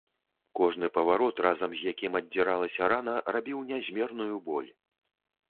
Кожны паварот, разам з якім аддзіралася рана, рабіў нязмерную боль.